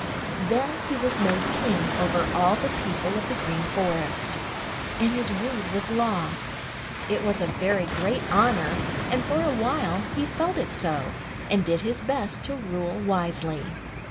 "Then he was made king over all the people of the Green Forest, and his word was law. It was a very great honor, and for a while he felt it so and did his best to rule wisely.